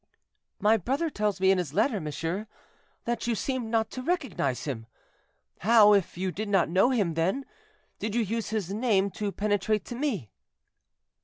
"My brother tells me in his letter, monsieur, that you seemed not to recognize him. How, if, you did not know him, then, did you use his name to penetrate to me?"